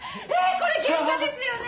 これ原画ですよね